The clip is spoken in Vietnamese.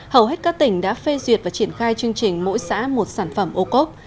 hầu hết các tỉnh đã phê duyệt và triển khai chương trình mỗi xã một sản phẩm ô cốp